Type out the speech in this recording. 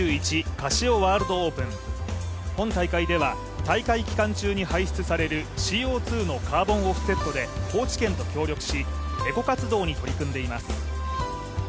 カシオワールドオープン本大会では大会期間中に排出されるＣＯ２のカーボンオフセットで高知県と協力しＥＣＯ活動に取り組んでいます。